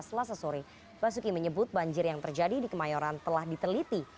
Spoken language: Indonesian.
selasa sore basuki menyebut banjir yang terjadi di kemayoran telah diteliti